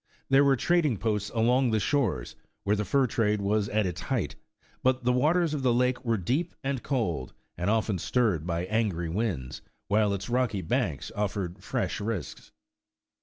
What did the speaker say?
There were trading posts along the shores, where the fur trade was at its height, but the waters of the lake were deep and cold, and often stirred by angry winds, while its rocky banks offered fresh risks.